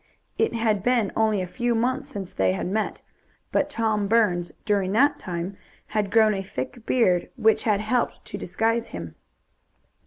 It had been only a few months since they had met, but Tom Burns, during that time, had grown a thick beard, which had helped to disguise him.